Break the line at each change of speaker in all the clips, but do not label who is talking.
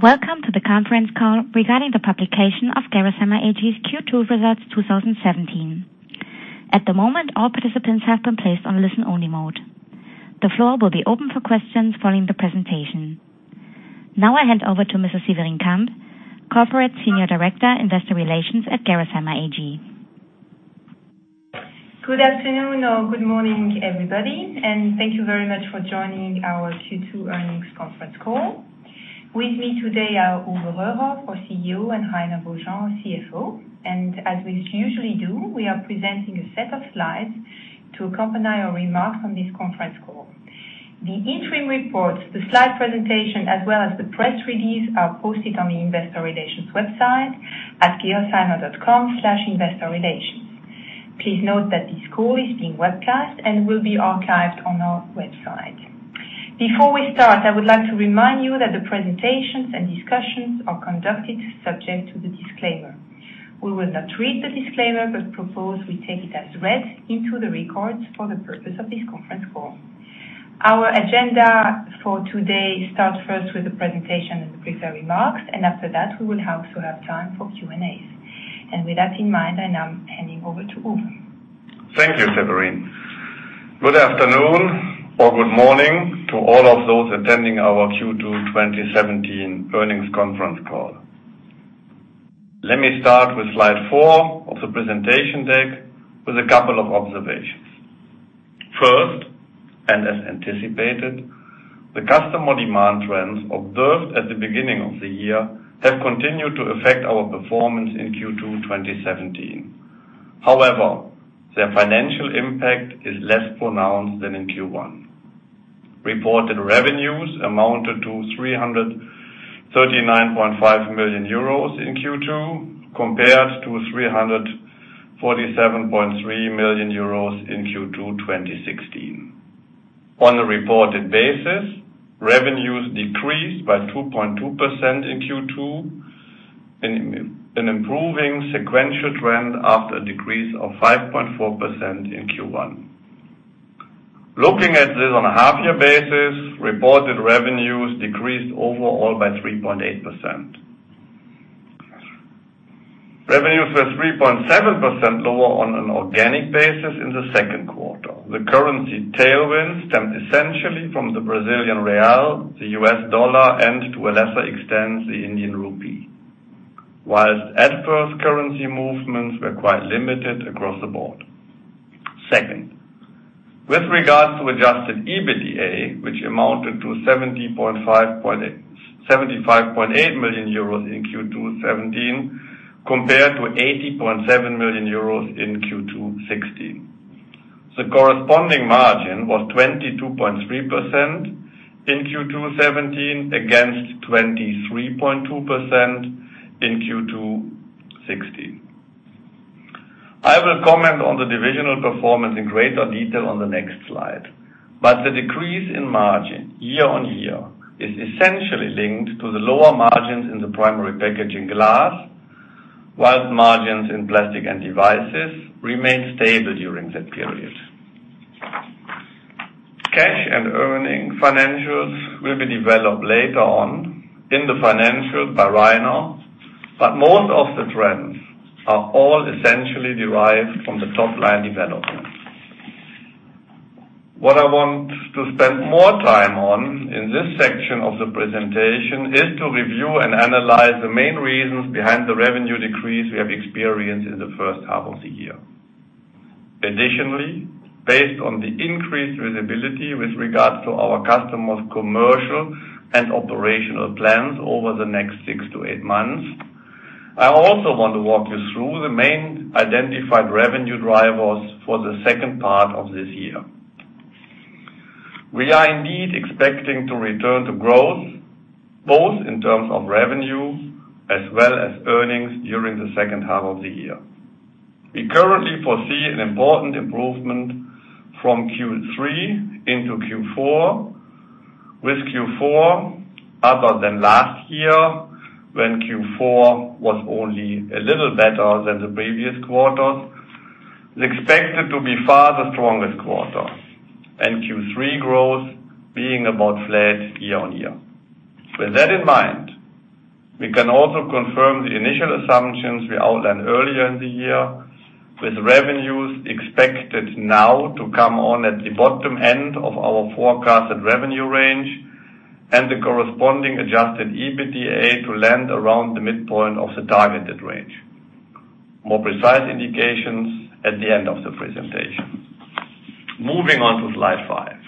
Welcome to the conference call regarding the publication of Gerresheimer AG's Q2 results 2017. At the moment, all participants have been placed on listen-only mode. The floor will be open for questions following the presentation. Now I hand over to Ms. Severine Camp, Corporate Senior Director, Investor Relations at Gerresheimer AG.
Good afternoon or good morning, everybody, and thank you very much for joining our Q2 earnings conference call. With me today are Uwe Röhrhoff, our CEO, and Rainer Beaujean, our CFO. As we usually do, we are presenting a set of slides to accompany our remarks on this conference call. The interim report, the slide presentation, as well as the press release, are posted on the investor relations website at gerresheimer.com/investorrelations. Please note that this call is being webcast and will be archived on our website. Before we start, I would like to remind you that the presentations and discussions are conducted subject to the disclaimer. We will not read the disclaimer but propose we take it as read into the records for the purpose of this conference call. Our agenda for today starts first with the presentation and the prepared remarks. After that, we will also have time for Q&As. With that in mind, I am handing over to Uwe.
Thank you, Severine. Good afternoon or good morning to all of those attending our Q2 2017 earnings conference call. Let me start with slide four of the presentation deck with a couple of observations. First, as anticipated, the customer demand trends observed at the beginning of the year have continued to affect our performance in Q2 2017. However, their financial impact is less pronounced than in Q1. Reported revenues amounted to 339.5 million euros in Q2, compared to 347.3 million euros in Q2 2016. On a reported basis, revenues decreased by 2.2% in Q2, an improving sequential trend after a decrease of 5.4% in Q1. Looking at this on a half-year basis, reported revenues decreased overall by 3.8%. Revenues were 3.7% lower on an organic basis in the second quarter. The currency tailwinds stemmed essentially from the Brazilian real, the US dollar, and to a lesser extent, the Indian rupee. Adverse currency movements were quite limited across the board. With regards to adjusted EBITDA, which amounted to 75.8 million euros in Q2 '17, compared to 80.7 million euros in Q2 '16. The corresponding margin was 22.3% in Q2 '17 against 23.2% in Q2 '16. I will comment on the divisional performance in greater detail on the next slide, the decrease in margin year-on-year is essentially linked to the lower margins in the Primary Packaging Glass, whilst margins in Plastics & Devices remained stable during that period. Cash and earning financials will be developed later on in the financials by Rainer, most of the trends are all essentially derived from the top-line development. What I want to spend more time on in this section of the presentation is to review and analyze the main reasons behind the revenue decrease we have experienced in the first half of the year. Based on the increased visibility with regards to our customers' commercial and operational plans over the next six to eight months, I also want to walk you through the main identified revenue drivers for the second part of this year. We are indeed expecting to return to growth, both in terms of revenue as well as earnings during the second half of the year. We currently foresee an important improvement from Q3 into Q4, with Q4, other than last year, when Q4 was only a little better than the previous quarters, is expected to be far the strongest quarter. Q3 growth being about flat year-on-year. With that in mind, we can also confirm the initial assumptions we outlined earlier in the year, with revenues expected now to come on at the bottom end of our forecasted revenue range and the corresponding adjusted EBITDA to land around the midpoint of the targeted range. More precise indications at the end of the presentation. Moving on to slide five.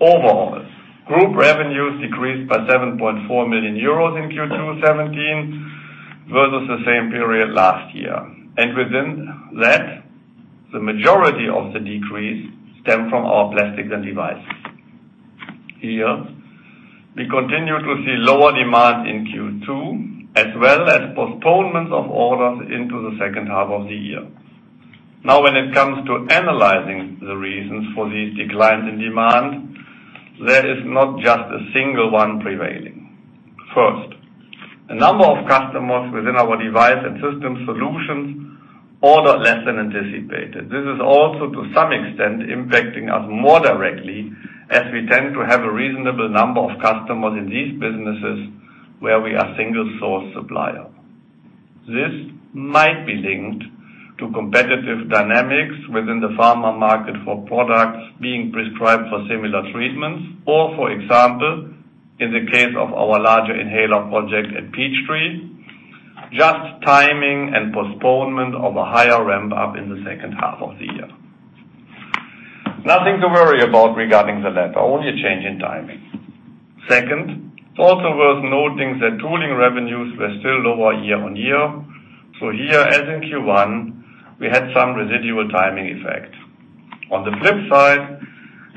Overall, group revenues decreased by 7.4 million euros in Q2 '17 versus the same period last year. Within that, the majority of the decrease stemmed from our Plastics & Devices. Here, we continue to see lower demand in Q2, as well as postponements of orders into the second half of the year. When it comes to analyzing the reasons for these declines in demand, there is not just a single one prevailing. A number of customers within our device and system solutions ordered less than anticipated. This is also, to some extent, impacting us more directly as we tend to have a reasonable number of customers in these businesses where we are single-source supplier. This might be linked to competitive dynamics within the pharma market for products being prescribed for similar treatments, or, for example, in the case of our larger inhaler project at Peachtree, just timing and postponement of a higher ramp-up in the second half of the year. Nothing to worry about regarding the latter, only a change in timing. It's also worth noting that tooling revenues were still lower year-on-year. Here, as in Q1, we had some residual timing effect. On the flip side,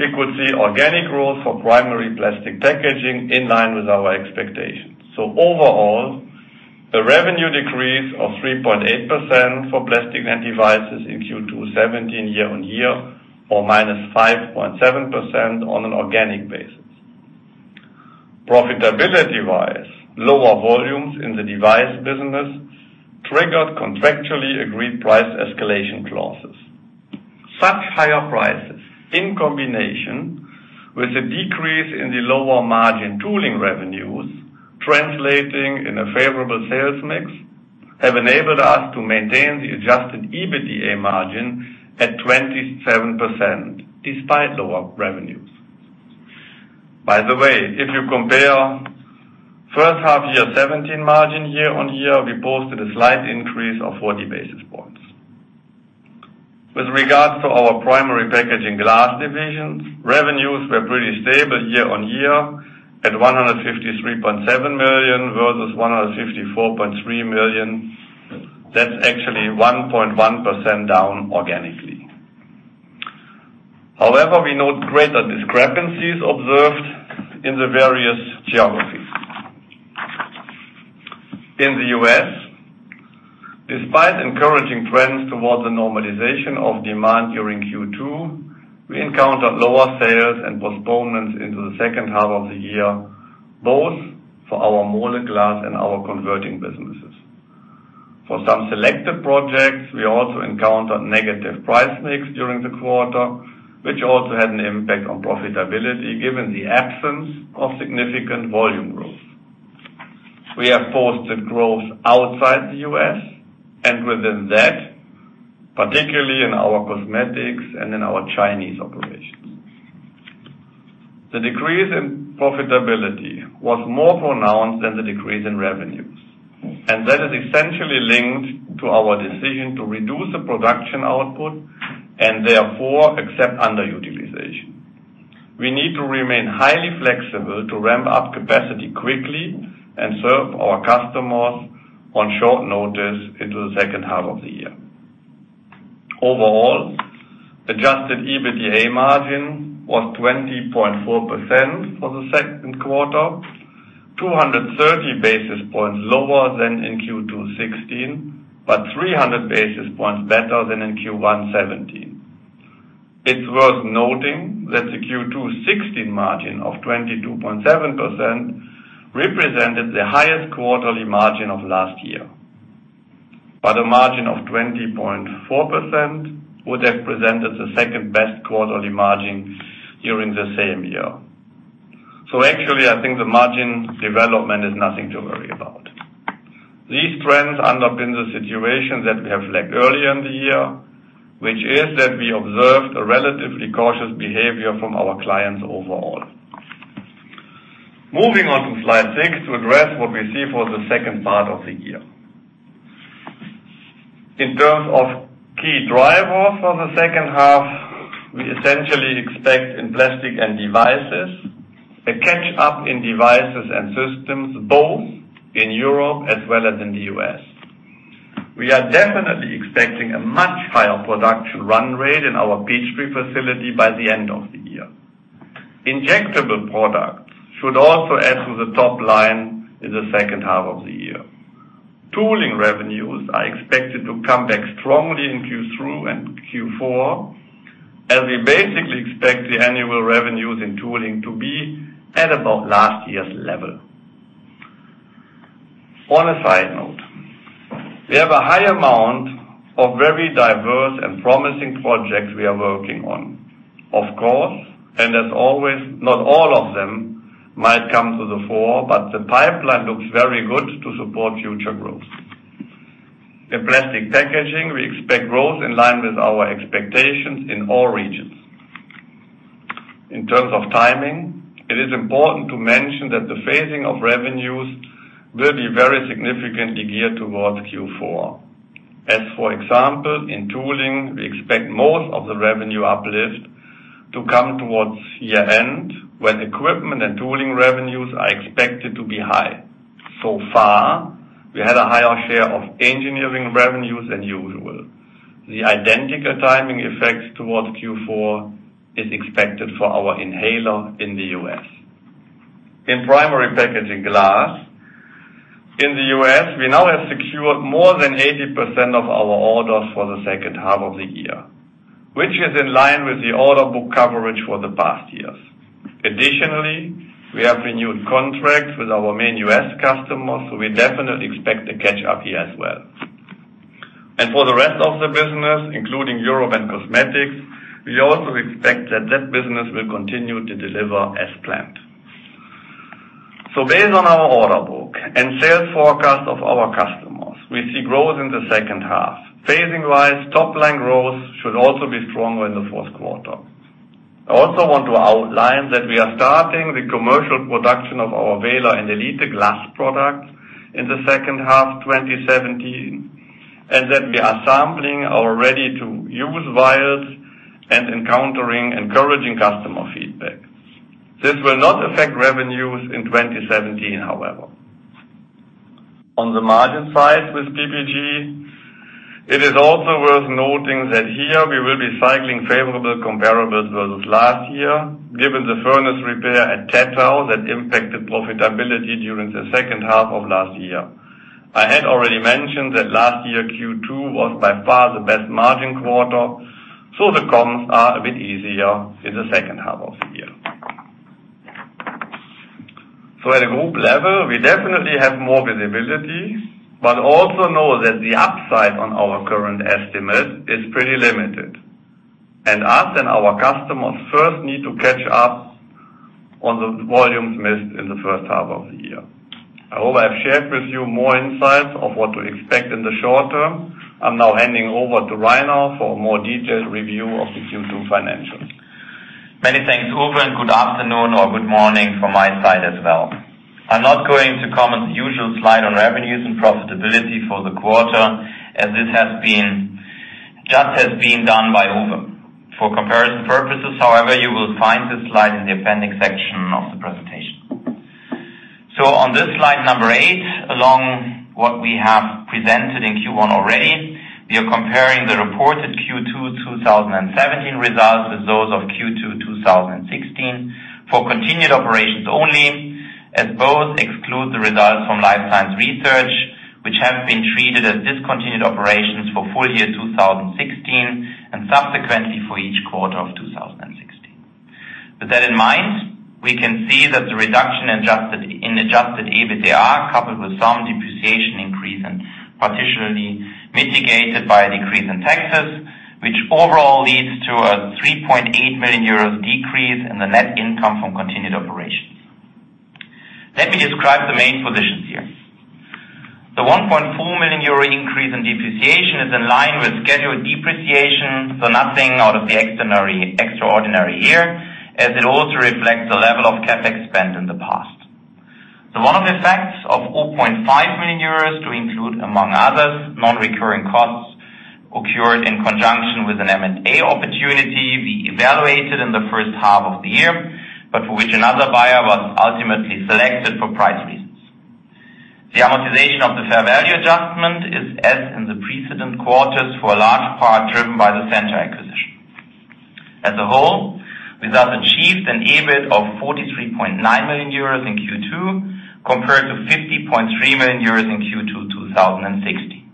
we could see organic growth for primary plastic packaging in line with our expectations. Overall, a revenue decrease of 3.8% for Plastics & Devices in Q2 2017 year-over-year, or -5.7% on an organic basis. Profitability-wise, lower volumes in the device business triggered contractually agreed price escalation clauses. Such higher prices, in combination with a decrease in the lower margin tooling revenues, translating in a favorable sales mix, have enabled us to maintain the adjusted EBITDA margin at 27%, despite lower revenues. By the way, if you compare first half 2017 margin year-over-year, we posted a slight increase of 40 basis points. With regards to our Primary Packaging Glass divisions, revenues were pretty stable year-over-year at 153.7 million, versus 154.3 million. That is actually 1.1% down organically. However, we note greater discrepancies observed in the various geographies. In the U.S., despite encouraging trends towards the normalization of demand during Q2, we encountered lower sales and postponements into the second half of the year, both for our Molded Glass and our converting businesses. For some selected projects, we also encountered negative price mix during the quarter, which also had an impact on profitability given the absence of significant volume growth. We have fostered growth outside the U.S. and within that, particularly in our cosmetics and in our Chinese operations. The decrease in profitability was more pronounced than the decrease in revenues, that is essentially linked to our decision to reduce the production output and therefore accept underutilization. We need to remain highly flexible to ramp up capacity quickly and serve our customers on short notice into the second half of the year. Overall, adjusted EBITDA margin was 20.4% for the second quarter, 230 basis points lower than in Q2 2016, but 300 basis points better than in Q1 2017. It is worth noting that the Q2 2016 margin of 22.7% represented the highest quarterly margin of last year. A margin of 20.4% would have presented the second-best quarterly margin during the same year. Actually, I think the margin development is nothing to worry about. These trends underpin the situation that we have flagged earlier in the year, which is that we observed a relatively cautious behavior from our clients overall. Moving on to slide six to address what we see for the second part of the year. In terms of key drivers for the second half, we essentially expect in Plastics & Devices, a catch-up in devices and systems both in Europe as well as in the U.S. We are definitely expecting a much higher production run rate in our Peachtree facility by the end of the year. Injectable products should also add to the top line in the second half of the year. Tooling revenues are expected to come back strongly in Q3 and Q4, as we basically expect the annual revenues in tooling to be at about last year's level. On a side note, we have a high amount of very diverse and promising projects we are working on. Of course, as always, not all of them might come to the fore, but the pipeline looks very good to support future growth. In plastic packaging, we expect growth in line with our expectations in all regions. In terms of timing, it is important to mention that the phasing of revenues will be very significantly geared towards Q4. As for example, in tooling, we expect most of the revenue uplift to come towards year-end, when equipment and tooling revenues are expected to be high. So far, we had a higher share of engineering revenues than usual. The identical timing effect towards Q4 is expected for our inhaler in the U.S. In Primary Packaging Glass, in the U.S., we now have secured more than 80% of our orders for the second half of the year. Which is in line with the order book coverage for the past years. Additionally, we have renewed contracts with our main U.S. customers, we definitely expect a catch-up here as well. For the rest of the business, including Europe and cosmetics, we also expect that that business will continue to deliver as planned. Based on our order book and sales forecast of our customers, we see growth in the second half. Phasing-wise, top-line growth should also be stronger in the fourth quarter. I also want to outline that we are starting the commercial production of our WELA and Elite glass products in the second half of 2017, and that we are sampling our ready-to-use vials and encountering encouraging customer feedback. This will not affect revenues in 2017, however. On the margin side with PPG, it is also worth noting that here we will be cycling favorable comparables versus last year, given the furnace repair at Tettau that impacted profitability during the second half of last year. I had already mentioned that last year Q2 was by far the best margin quarter, the comps are a bit easier in the second half of the year. At a group level, we definitely have more visibility, but also know that the upside on our current estimate is pretty limited. Us and our customers first need to catch up on the volumes missed in the first half of the year. I hope I've shared with you more insights of what to expect in the short term. I am now handing over to Rainer for a more detailed review of the Q2 financials.
Many thanks, Uwe, and good afternoon or good morning from my side as well. I am not going to comment the usual slide on revenues and profitability for the quarter, as this just has been done by Uwe. For comparison purposes, however, you will find this slide in the appendix section of the presentation. On this slide number eight, along what we have presented in Q1 already, we are comparing the reported Q2 2017 results with those of Q2 2016 for continued operations only, as both exclude the results from Life Science Research, which have been treated as discontinued operations for full year 2016 and subsequently for each quarter of 2016. With that in mind, we can see that the reduction in adjusted EBITDA, coupled with some depreciation increase and partially mitigated by a decrease in taxes, which overall leads to a 3.8 million euros decrease in the net income from continued operations. Let me describe the main positions here. The 1.4 million euro increase in depreciation is in line with scheduled depreciation, so nothing out of the extraordinary here, as it also reflects the level of CapEx spent in the past. The one-off effects of 0.5 million euros to include, among others, non-recurring costs occurred in conjunction with an M&A opportunity we evaluated in the first half of the year, but for which another buyer was ultimately selected for price reasons. The amortization of the fair value adjustment is, as in the precedent quarters, for a large part driven by the Centor acquisition. As a whole, we thus achieved an EBIT of 43.9 million euros in Q2, compared to 50.3 million euros in Q2 2016.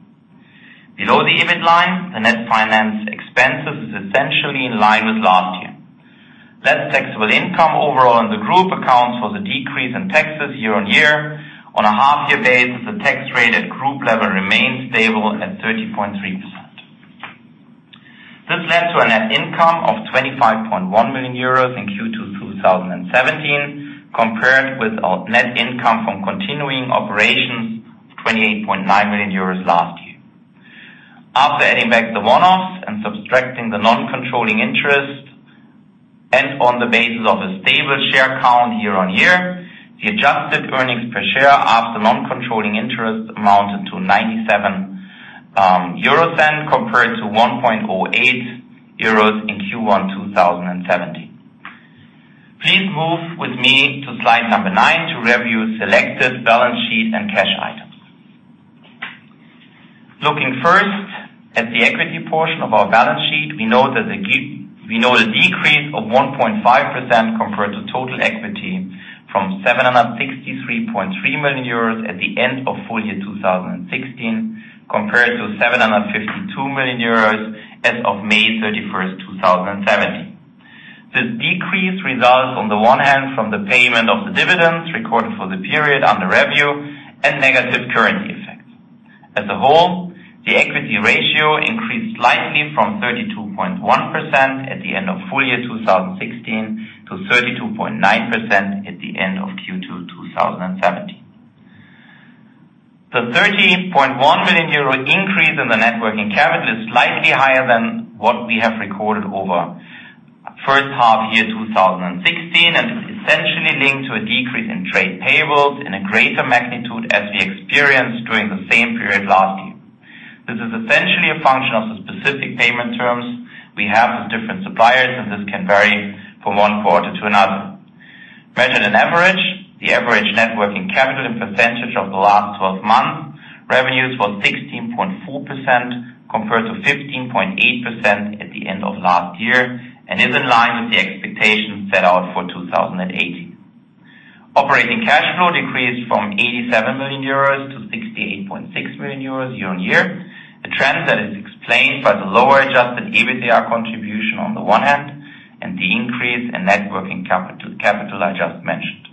Below the EBIT line, the net finance expenses is essentially in line with last year. Less taxable income overall in the group accounts for the decrease in taxes year-on-year. On a half-year basis, the tax rate at group level remains stable at 30.3%. This led to a net income of 25.1 million euros in Q2 2017, compared with our net income from continuing operations of 28.9 million euros last year. After adding back the one-offs and subtracting the non-controlling interest and on the basis of a stable share count year-on-year, the adjusted earnings per share after non-controlling interests amounted to 0.97 compared to 1.08 euros in Q1 2017. Please move with me to slide number nine to review selected balance sheet and cash items. Looking first at the equity portion of our balance sheet, we know the decrease of 1.5% compared to total equity from 763.3 million euros at the end of full year 2016 compared to 752 million euros as of May 31st, 2017. This decrease results on the one hand from the payment of the dividends recorded for the period under review and negative currency effects. As a whole, the equity ratio increased slightly from 32.1% at the end of full year 2016 to 32.9% at the end of Q2 2017. The 30.1 million euro increase in the net working capital is slightly higher than what we have recorded over first half year 2016, and is essentially linked to a decrease in trade payables in a greater magnitude as we experienced during the same period last year. This is essentially a function of the specific payment terms we have with different suppliers, and this can vary from one quarter to another. Measured in average, the average net working capital and percentage of the last 12 months, revenues were 16.4% compared to 15.8% at the end of last year and is in line with the expectations set out for 2018. Operating cash flow decreased from 87 million euros to 68.6 million euros year-on-year, a trend that is explained by the lower adjusted EBITDA contribution on the one hand, and the increase in net working capital I just mentioned.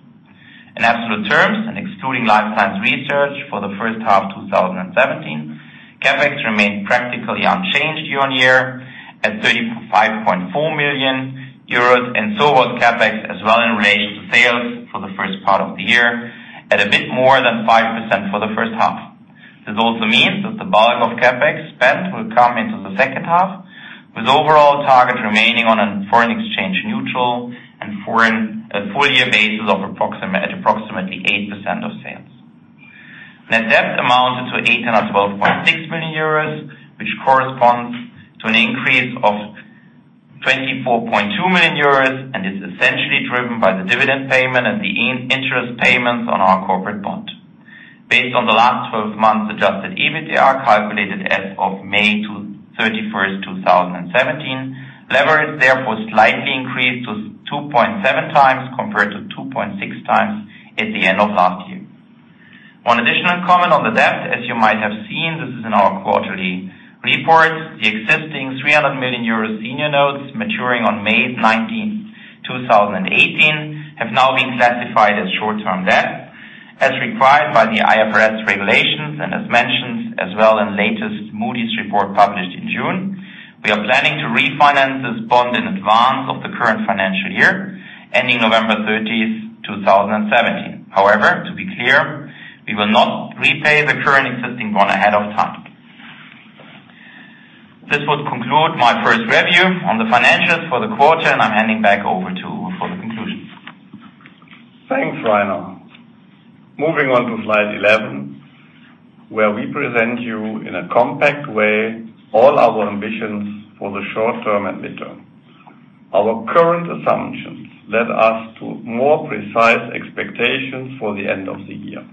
In absolute terms, and excluding Life Science Research for the first half 2017, CapEx remained practically unchanged year-on-year at 35.4 million euros, and so was CapEx as well in relation to sales for the first part of the year, at a bit more than 5% for the first half. This also means that the bulk of CapEx spend will come into the second half, with overall target remaining on a foreign exchange neutral and full year basis at approximately 8% of sales. Net debt amounted to 812.6 million euros, which corresponds to an increase of 24.2 million euros and is essentially driven by the dividend payment and the interest payments on our corporate bond. Based on the last 12 months adjusted EBITDA, calculated as of May 31, 2017, leverage therefore slightly increased to 2.7 times compared to 2.6 times at the end of last year. One additional comment on the debt, as you might have seen, this is in our quarterly report, the existing 300 million euro senior notes maturing on May 19, 2018, have now been classified as short-term debt as required by the IFRS regulations and as mentioned as well in latest Moody's report published in June. We are planning to refinance this bond in advance of the current financial year ending November 30, 2017. However, to be clear, we will not repay the current existing bond ahead of time. This would conclude my first review on the financials for the quarter, and I am handing back over to Uwe for the conclusions.
Thanks, Rainer. Moving on to slide 11, where we present you, in a compact way, all our ambitions for the short term and mid term. Our current assumptions led us to more precise expectations for the end of the year.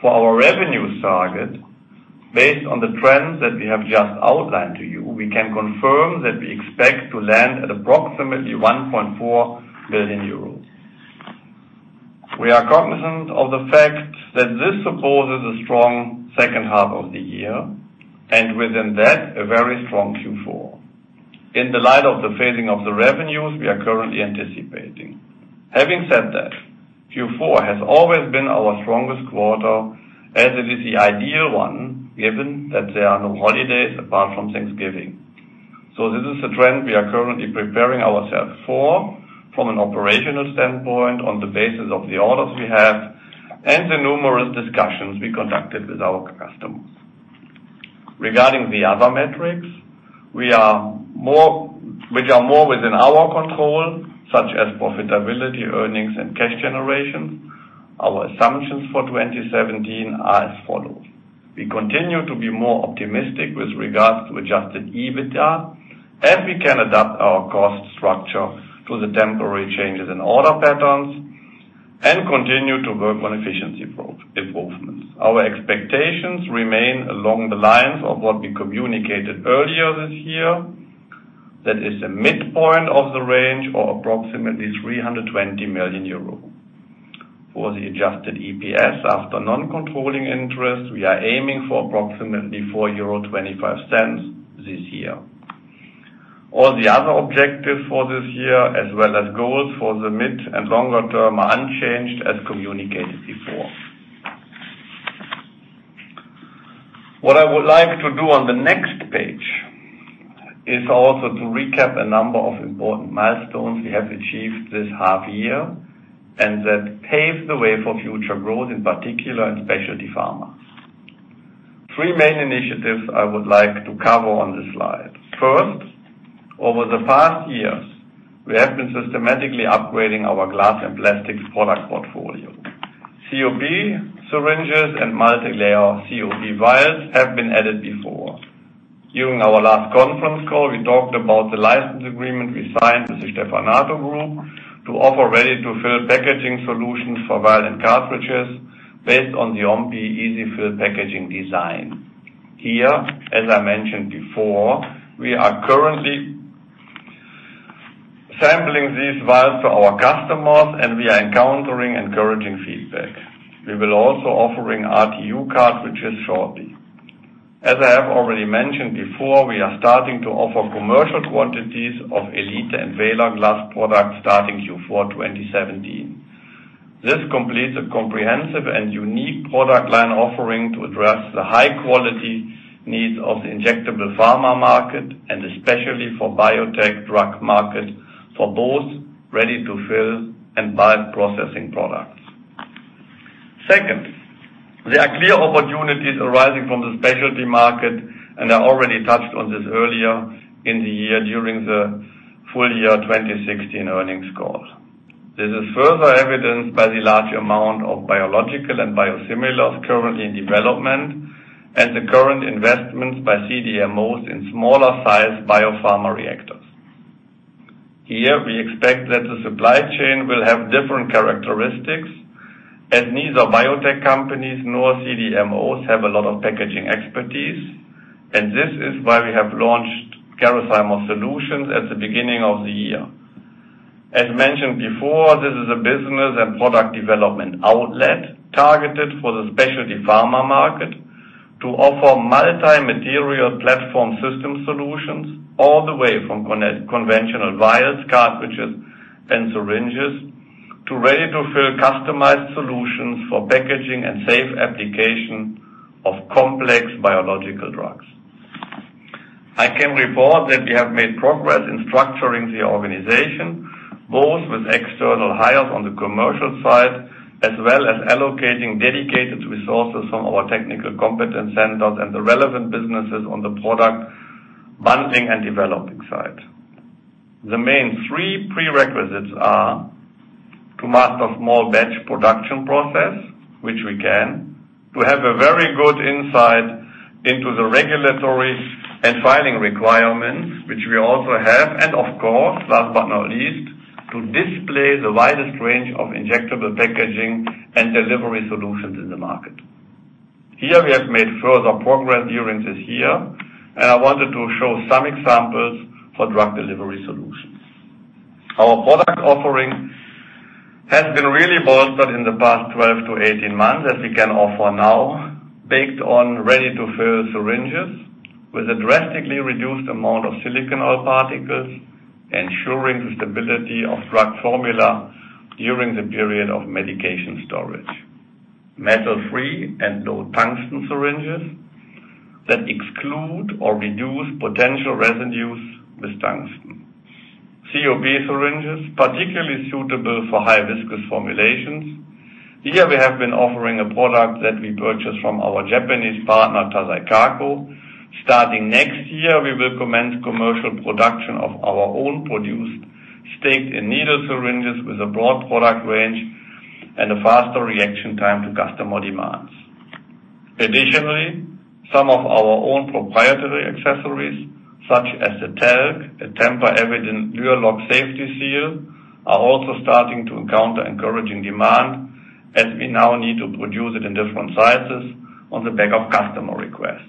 For our revenue target, based on the trends that we have just outlined to you, we can confirm that we expect to land at approximately 1.4 billion euros. We are cognizant of the fact that this supposes a strong second half of the year, and within that, a very strong Q4. In the light of the phasing of the revenues we are currently anticipating. Having said that, Q4 has always been our strongest quarter, as it is the ideal one, given that there are no holidays apart from Thanksgiving. This is a trend we are currently preparing ourselves for from an operational standpoint on the basis of the orders we have and the numerous discussions we conducted with our customers. Regarding the other metrics, which are more within our control, such as profitability, earnings, and cash generation, our assumptions for 2017 are as follows. We continue to be more optimistic with regards to adjusted EBITDA, and we can adapt our cost structure to the temporary changes in order patterns and continue to work on efficiency improvements. Our expectations remain along the lines of what we communicated earlier this year. That is the midpoint of the range or approximately 320 million euro. For the adjusted EPS after non-controlling interest, we are aiming for approximately 4.25 euro this year. All the other objectives for this year, as well as goals for the mid and longer term, are unchanged as communicated before. What I would like to do on the next page is also to recap a number of important milestones we have achieved this half year and that pave the way for future growth, in particular in specialty pharma. Three main initiatives I would like to cover on this slide. First, over the past years, we have been systematically upgrading our glass and plastics product portfolio. COP syringes and multilayer COP vials have been added before. During our last conference call, we talked about the license agreement we signed with the Stevanato Group to offer ready-to-fill packaging solutions for vial and cartridges based on the Ompi EZ-fill packaging design. Here, as I mentioned before, we are currently sampling these vials to our customers and we are encountering encouraging feedback. We will also offering RTU cartridges shortly. As I have already mentioned before, we are starting to offer commercial quantities of Elite and WELA glass products starting Q4 2017. This completes a comprehensive and unique product line offering to address the high-quality needs of the injectable pharma market and especially for biotech drug market for both ready-to-fill and vial processing products. Second, there are clear opportunities arising from the specialty market, and I already touched on this earlier in the year during the full year 2016 earnings call. This is further evidenced by the large amount of biological and biosimilars currently in development and the current investments by CDMOs in smaller sized biopharma reactors. Here, we expect that the supply chain will have different characteristics As neither biotech companies nor CDMOs have a lot of packaging expertise, and this is why we have launched Gerresheimer Solutions at the beginning of the year. As mentioned before, this is a business and product development outlet targeted for the specialty pharma market to offer multi-material platform system solutions all the way from conventional vials, cartridges, and syringes, to ready-to-fill customized solutions for packaging and safe application of complex biological drugs. I can report that we have made progress in structuring the organization, both with external hires on the commercial side, as well as allocating dedicated resources from our technical competence centers and the relevant businesses on the product bundling and developing side. The main three prerequisites are to master small batch production process, which we can, to have a very good insight into the regulatory and filing requirements, which we also have, and of course, last but not least, to display the widest range of injectable packaging and delivery solutions in the market. Here we have made further progress during this year, and I wanted to show some examples for drug delivery solutions. Our product offering has been really bolstered in the past 12-18 months, as we can offer now baked-on, ready-to-fill syringes with a drastically reduced amount of silicone oil particles, ensuring the stability of drug formula during the period of medication storage. Metal-free and low tungsten syringes that exclude or reduce potential residues with tungsten. COP syringes, particularly suitable for high viscous formulations. Here we have been offering a product that we purchased from our Japanese partner, Taisei Kako. Starting next year, we will commence commercial production of our own produced staked-in needle syringes with a broad product range and a faster reaction time to customer demands. Additionally, some of our own proprietary accessories, such as the Gx TELC, a tamper evident Luer lock safety seal, are also starting to encounter encouraging demand, and we now need to produce it in different sizes on the back of customer requests.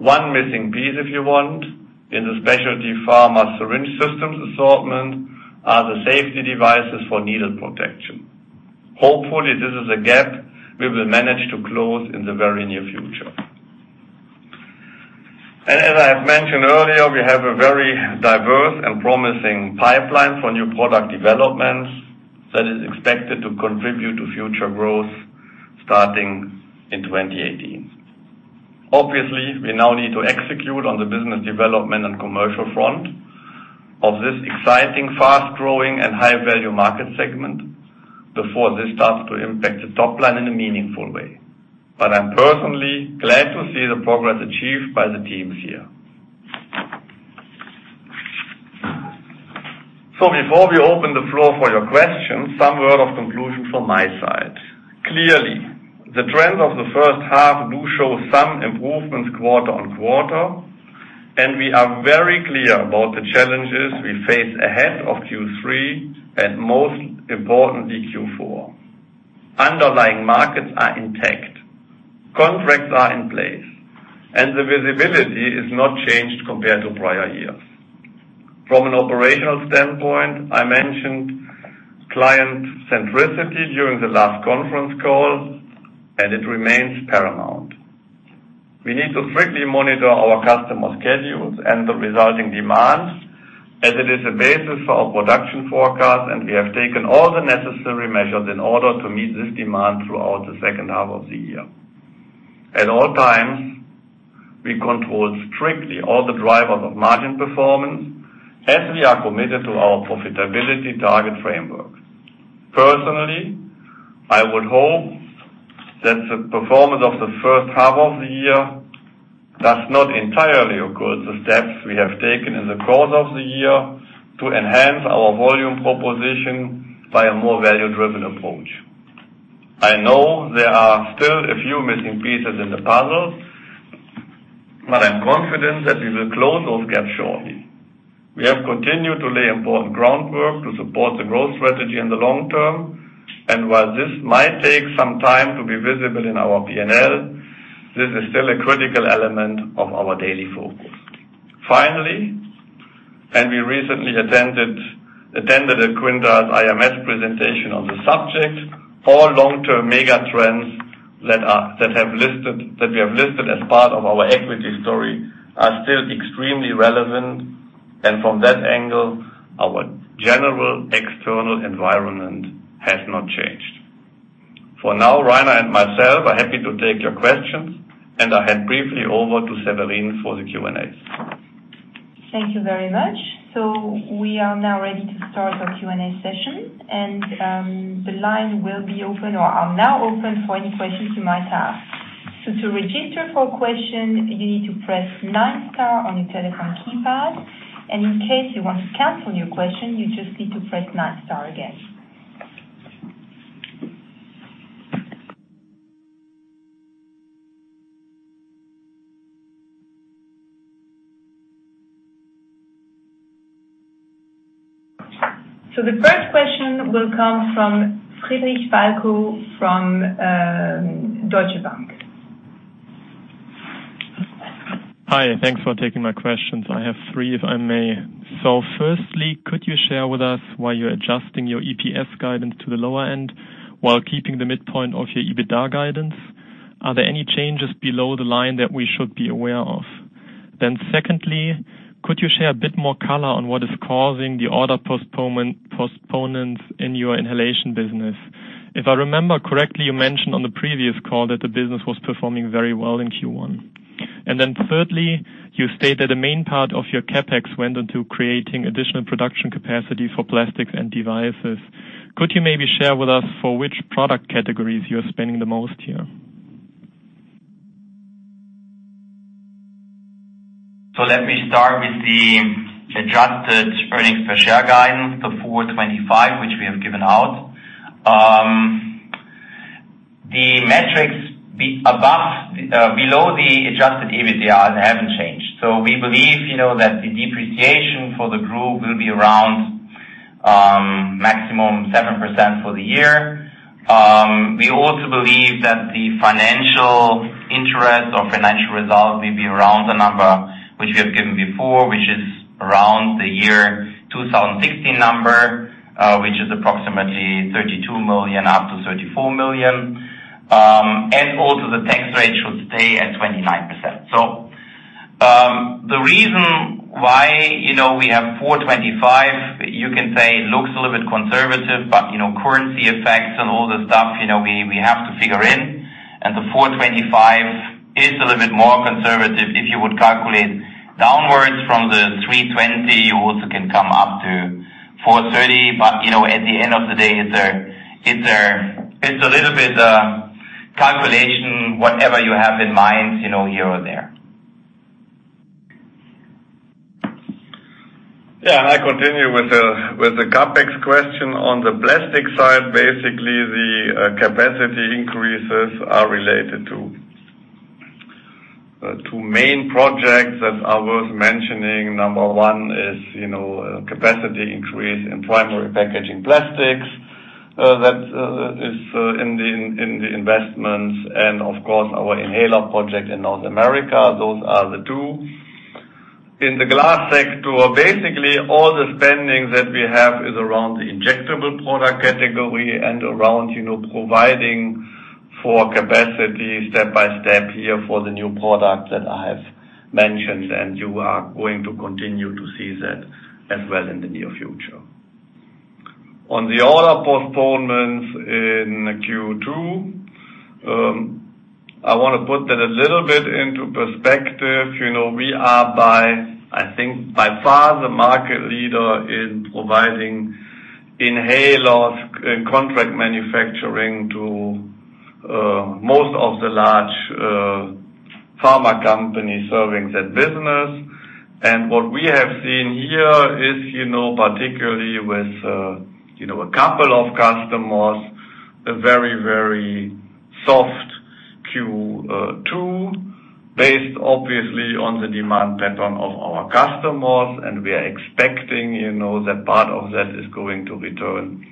One missing piece, if you want, in the specialty pharma syringe systems assortment are the safety devices for needle protection. Hopefully, this is a gap we will manage to close in the very near future. As I have mentioned earlier, we have a very diverse and promising pipeline for new product developments that is expected to contribute to future growth starting in 2018. We now need to execute on the business development and commercial front of this exciting, fast-growing, and high-value market segment before this starts to impact the top line in a meaningful way. I'm personally glad to see the progress achieved by the teams here. Before we open the floor for your questions, some word of conclusion from my side. Clearly, the trend of the first half do show some improvements quarter-on-quarter, and we are very clear about the challenges we face ahead of Q3, and most importantly, Q4. Underlying markets are intact, contracts are in place, and the visibility is not changed compared to prior years. From an operational standpoint, I mentioned client centricity during the last conference call, and it remains paramount. We need to strictly monitor our customer schedules and the resulting demands, as it is a basis for our production forecast, and we have taken all the necessary measures in order to meet this demand throughout the second half of the year. At all times, we control strictly all the drivers of margin performance as we are committed to our profitability target framework. Personally, I would hope that the performance of the first half of the year does not entirely obscure the steps we have taken in the course of the year to enhance our volume proposition by a more value-driven approach. I know there are still a few missing pieces in the puzzle, but I'm confident that we will close those gaps shortly. We have continued to lay important groundwork to support the growth strategy in the long term, and while this might take some time to be visible in our P&L, this is still a critical element of our daily focus. Finally, we recently attended a QuintilesIMS presentation on the subject, four long-term mega trends that we have listed as part of our equity story are still extremely relevant, and from that angle, our general external environment has not changed. For now, Rainer and myself are happy to take your questions, and I hand briefly over to Severine for the Q&As.
Thank you very much. We are now ready to start our Q&A session, and the line will be open for any questions you might have. To register for a question, you need to press 9 star on your telephone keypad, and in case you want to cancel your question, you just need to press 9 star again. The first question will come from Falko Friedrichs from Deutsche Bank.
Hi, thanks for taking my questions. I have three, if I may. Firstly, could you share with us why you're adjusting your EPS guidance to the lower end while keeping the midpoint of your EBITDA guidance? Are there any changes below the line that we should be aware of? Secondly, could you share a bit more color on what is causing the order postponements in your inhalation business? If I remember correctly, you mentioned on the previous call that the business was performing very well in Q1. Thirdly, you stated the main part of your CapEx went into creating additional production capacity for Plastics & Devices. Could you maybe share with us for which product categories you're spending the most here?
Let me start with the adjusted earnings per share guidance, the 4.25, which we have given out. The metrics below the adjusted EBITDA haven't changed. We believe that the depreciation for the group will be around maximum 7% for the year. We also believe that the financial interest or financial result will be around the number which we have given before, which is around the year 2016 number, which is approximately 32 million up to 34 million. Also the tax rate should stay at 29%. The reason why we have 4.25, you can say it looks a little bit conservative, but currency effects and all the stuff we have to figure in, and the 4.25 is a little bit more conservative. If you would calculate downwards from the 3.20, you also can come up to 4.30. At the end of the day, it's a little bit calculation, whatever you have in mind, here or there.
Yeah. I continue with the CapEx question. On the plastic side, basically, the capacity increases are related to two main projects that are worth mentioning. Number 1 is capacity increase in primary packaging plastics. That is in the investments and of course our inhaler project in North America. Those are the two. In the glass sector, basically all the spending that we have is around the injectable product category and around providing for capacity step-by-step here for the new product that I have mentioned, and you are going to continue to see that as well in the near future. On the order postponements in Q2, I want to put that a little bit into perspective. We are, I think, by far the market leader in providing inhalers and contract manufacturing to most of the large pharma companies serving that business. What we have seen here is, particularly with a couple of customers, a very soft Q2, based obviously on the demand pattern of our customers. We are expecting that part of that is going to return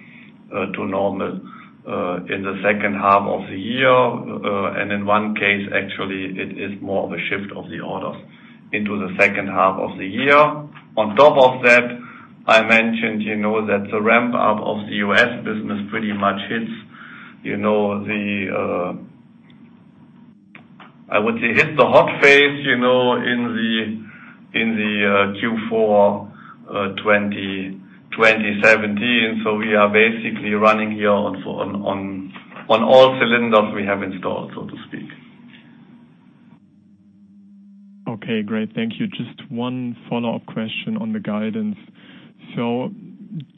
to normal in the second half of the year. In one case, actually, it is more of a shift of the orders into the second half of the year. On top of that, I mentioned that the ramp-up of the U.S. business pretty much hits the hot phase in the Q4 2017. We are basically running here on all cylinders we have installed, so to speak.
Okay, great. Thank you. Just one follow-up question on the guidance.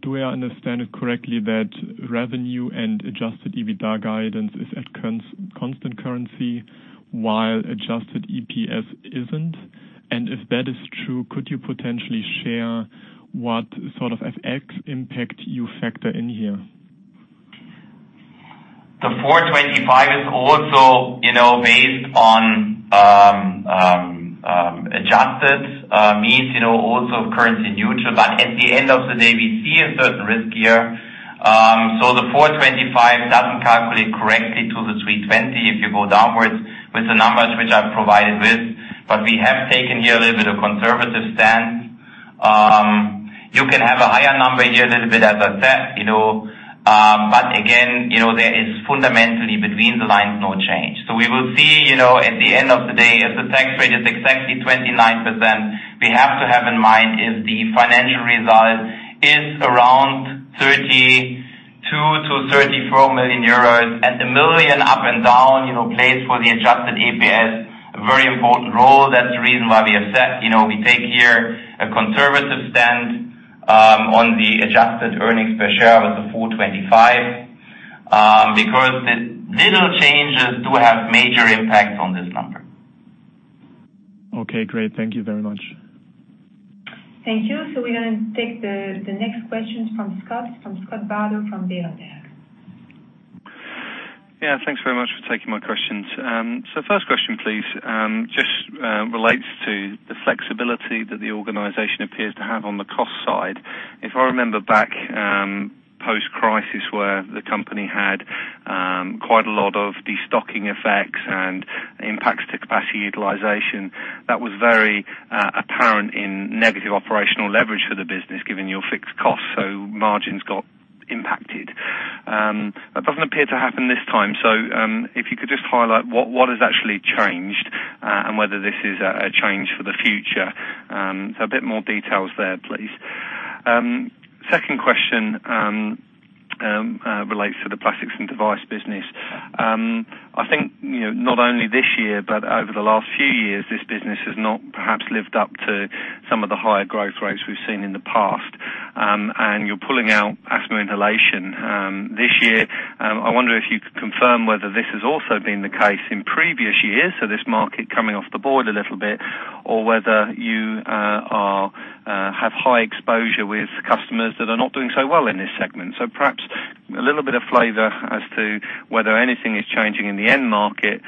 Do I understand it correctly that revenue and adjusted EBITDA guidance is at constant currency while adjusted EPS isn't? If that is true, could you potentially share what sort of FX impact you factor in here?
The 4.25 is also based on adjusted means, also currency neutral. At the end of the day, we see a certain risk here. The 4.25 doesn't calculate correctly to the 3.20 if you go downwards with the numbers which I provided with. We have taken here a little bit of conservative stance. You can have a higher number here, a little bit as a test. But again, there is fundamentally between the lines, no change. We will see at the end of the day, if the tax rate is exactly 29%, we have to have in mind is the financial result is around 32 million to 34 million euros. A million up and down plays for the adjusted EPS a very important role. That's the reason why we take here a conservative stand on the adjusted earnings per share with 4.25, because the little changes do have major impacts on this number.
Great. Thank you very much.
Thank you. We're going to take the next questions from Scott Bardo from Berenberg.
Thanks very much for taking my questions. First question, please, just relates to the flexibility that the organization appears to have on the cost side. If I remember back, post-crisis, where the company had quite a lot of destocking effects and impacts to capacity utilization, that was very apparent in negative operational leverage for the business, given your fixed costs, margins got impacted. That doesn't appear to happen this time. If you could just highlight what has actually changed, and whether this is a change for the future. A bit more details there, please. Second question relates to the Plastics & Devices business. I think, not only this year, but over the last few years, this business has not perhaps lived up to some of the higher growth rates we've seen in the past. You're pulling out asthma inhalation. This year, I wonder if you could confirm whether this has also been the case in previous years, so this market coming off the board a little bit, or whether you have high exposure with customers that are not doing so well in this segment. Perhaps a little bit of flavor as to whether anything is changing in the end market,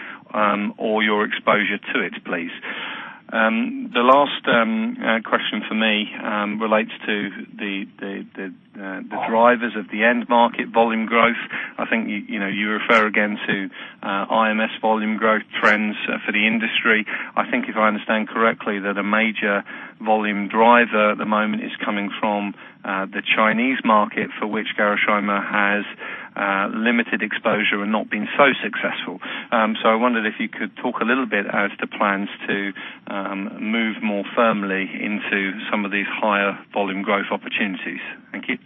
or your exposure to it, please. The last question for me relates to the drivers of the end market volume growth. I think you refer again to IMS volume growth trends for the industry. I think if I understand correctly, that a major volume driver at the moment is coming from the Chinese market, for which Gerresheimer has limited exposure and not been so successful. I wondered if you could talk a little bit as to plans to move more firmly into some of these higher volume growth opportunities. Thank you.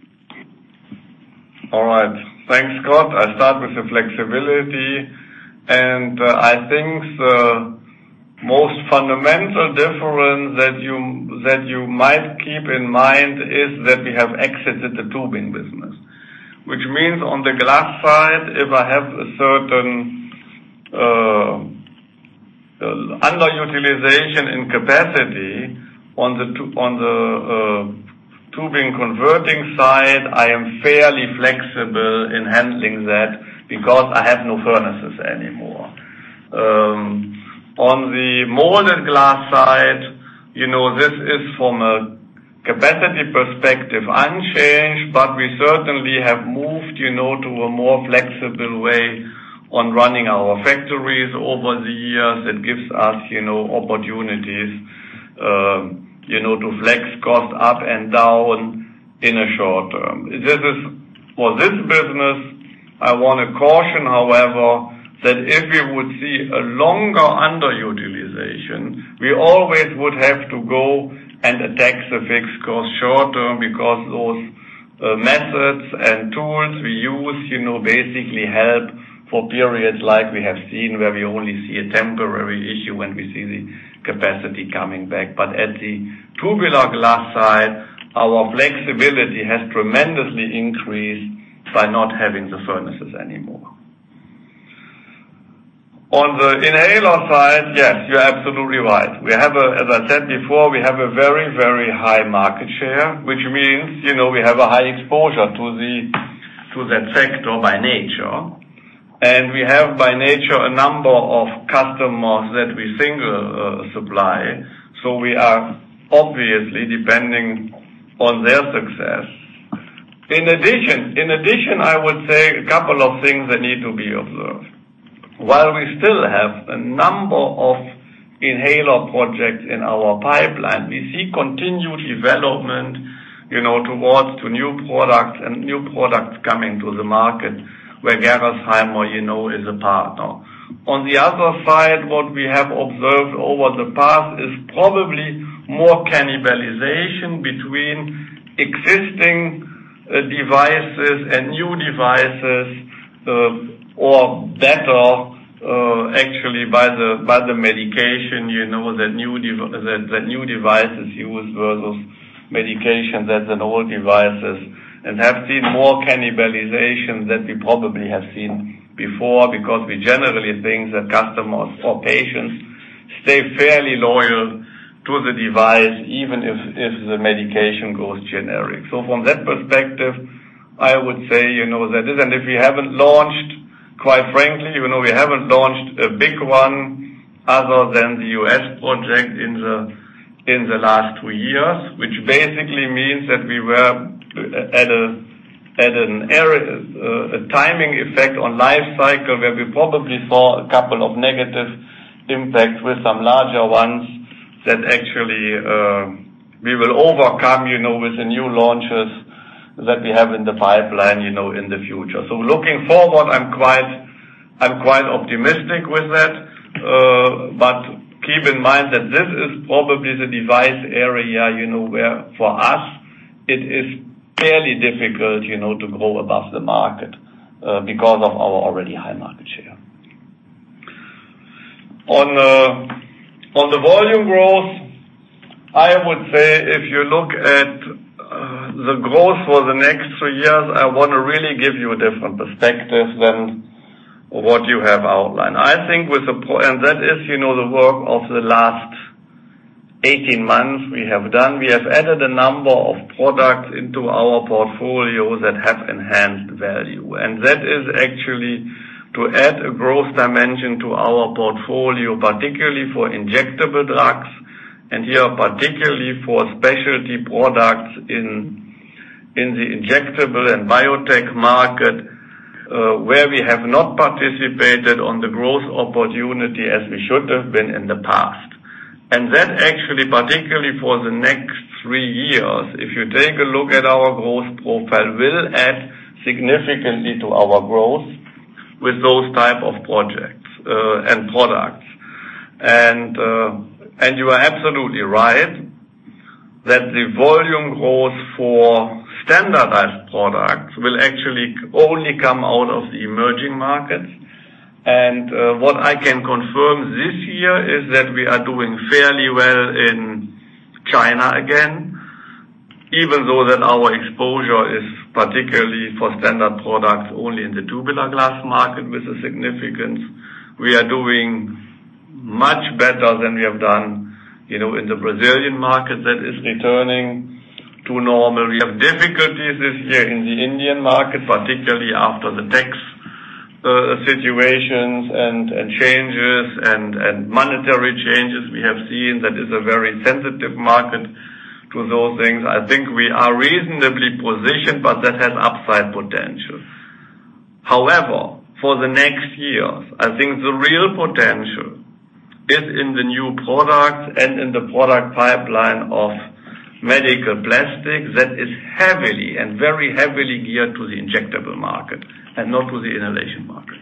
All right. Thanks, Scott. I'll start with the flexibility, I think the most fundamental difference that you might keep in mind is that we have exited the tubing business, which means on the glass side, if I have a certain underutilization in capacity on the tubing converting side, I am fairly flexible in handling that because I have no furnaces anymore. On the Molded Glass side, this is from a capacity perspective, unchanged, we certainly have moved to a more flexible way on running our factories over the years. That gives us opportunities to flex costs up and down in a short term. For this business, I want to caution, however, that if we would see a longer underutilization, we always would have to go and attack the fixed cost short term because those methods and tools we use, basically help for periods like we have seen, where we only see a temporary issue when we see the capacity coming back. At the tubular glass side, our flexibility has tremendously increased by not having the furnaces anymore. On the inhaler side, yes, you're absolutely right. As I said before, we have a very high market share, which means, we have a high exposure to that sector by nature. We have, by nature, a number of customers that we single supply. We are obviously depending on their success. In addition, I would say a couple of things that need to be observed. While we still have a number of inhaler projects in our pipeline, we see continued development towards new products and new products coming to the market where Gerresheimer is a partner. What we have observed over the past is probably more cannibalization between existing devices and new devices, or better, actually by the medication, the new devices use versus medications as in old devices and have seen more cannibalization than we probably have seen before because we generally think that customers or patients stay fairly loyal to the device, even if the medication goes generic. From that perspective, I would say that is, and quite frankly, we haven't launched a big one other than the U.S. project in the last two years, which basically means that we were at a timing effect on life cycle, where we probably saw a couple of negative impacts with some larger ones that actually, we will overcome, with the new launches that we have in the pipeline, in the future. Looking forward, I'm quite optimistic with that. Keep in mind that this is probably the device area, where for us it is fairly difficult to grow above the market, because of our already high market share. On the volume growth, I would say if you look at the growth for the next two years, I want to really give you a different perspective than what you have outlined. That is the work of the last 18 months we have done, we have added a number of products into our portfolio that have enhanced value. That is actually to add a growth dimension to our portfolio, particularly for injectable drugs, and here, particularly for specialty products in the injectable and biotech market, where we have not participated on the growth opportunity as we should have been in the past. That actually, particularly for the next three years, if you take a look at our growth profile, will add significantly to our growth with those type of projects and products. You are absolutely right, that the volume growth for standardized products will actually only come out of the emerging markets. What I can confirm this year is that we are doing fairly well in China again, even though that our exposure is particularly for standard products only in the tubular glass market with a significance. We are doing much better than we have done in the Brazilian market that is returning to normal. We have difficulties this year in the Indian market, particularly after the tax situations and changes and monetary changes we have seen. That is a very sensitive market to those things. I think we are reasonably positioned, but that has upside potential. However, for the next years, I think the real potential is in the new products and in the product pipeline of medical plastics that is heavily, and very heavily geared to the injectable market and not to the inhalation market.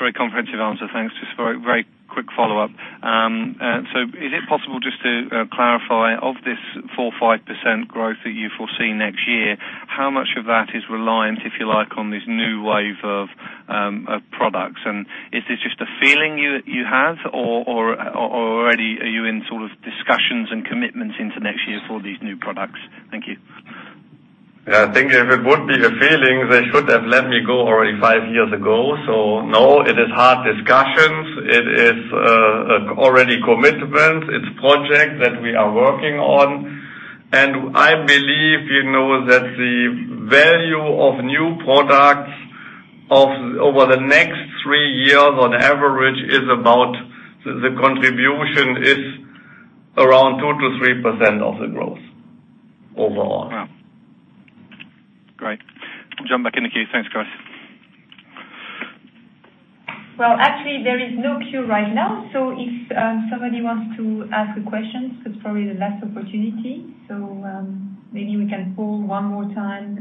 Very comprehensive answer. Thanks. Is it possible just to clarify, of this 4%-5% growth that you foresee next year, how much of that is reliant, if you like, on this new wave of products? Is this just a feeling you have, or already are you in sort of discussions and commitments into next year for these new products? Thank you.
I think if it would be a feeling, they should have let me go already five years ago. No, it is hard discussions. It is already commitments. It's project that we are working on. I believe that the value of new products over the next three years on average, the contribution is around 2%-3% of the growth overall.
Wow. Great. I'll jump back in the queue. Thanks, guys.
Actually, there is no queue right now, if somebody wants to ask a question, it's probably the last opportunity. Maybe we can poll one more time,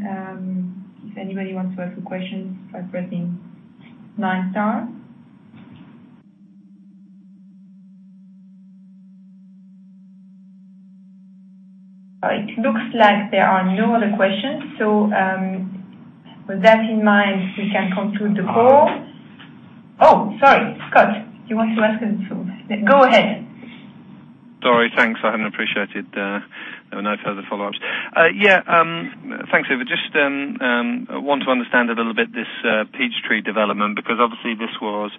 if anybody wants to ask a question by pressing nine star. It looks like there are no other questions. With that in mind, we can conclude the call. Sorry. Scott, you want to ask something? Go ahead.
Sorry. Thanks. I hadn't appreciated there were no further follow-ups. Yeah, thanks. I just want to understand a little bit this Peachtree development, because obviously this was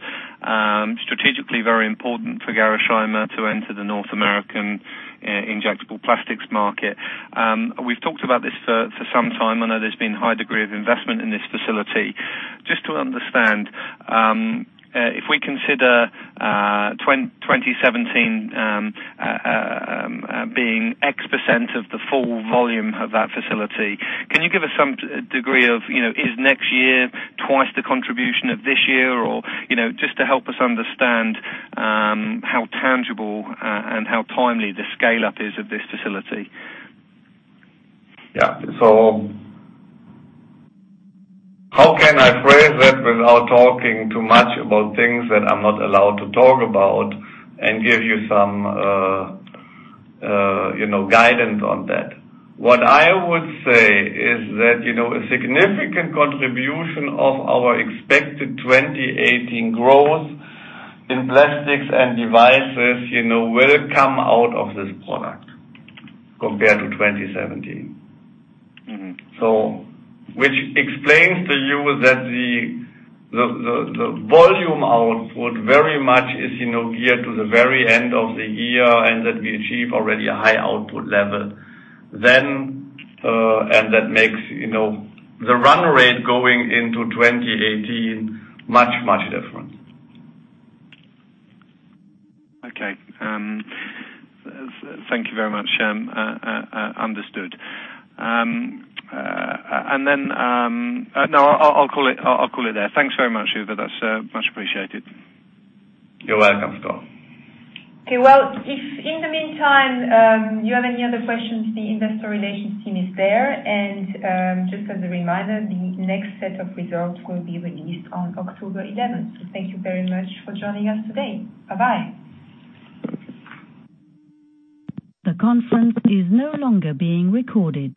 strategically very important for Gerresheimer to enter the North American injectable plastics market. We've talked about this for some time. I know there's been a high degree of investment in this facility. Just to understand, if we consider 2017 being X% of the full volume of that facility, can you give us some degree of, is next year twice the contribution of this year, or just to help us understand how tangible and how timely the scale-up is of this facility.
How can I phrase that without talking too much about things that I'm not allowed to talk about and give you some guidance on that? What I would say is that, a significant contribution of our expected 2018 growth in Plastics & Devices will come out of this product compared to 2017. Which explains to you that the volume output very much is geared to the very end of the year, and that we achieve already a high output level then. That makes the run rate going into 2018 much, much different.
Okay. Thank you very much. Understood. No, I'll call it there. Thanks very much, Uwe. That's much appreciated.
You're welcome, Scott.
Okay. Well, if in the meantime, you have any other questions, the Investor Relations team is there. Just as a reminder, the next set of results will be released on October 11th. Thank you very much for joining us today. Bye-bye.
The conference is no longer being recorded.